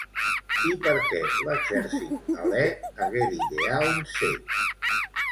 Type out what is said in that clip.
I per què l'exèrcit hel·lè hagué d'idear un cep?